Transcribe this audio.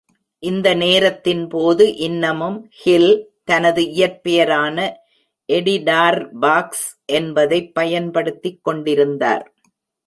இந்த நேரத்தின் போது, இன்னமும் ஹில், தனது இயற்பெயரான எடி டார்பாக்ஸ் என்பதைப் பயன்படுத்திக் கொண்டிருந்தார்.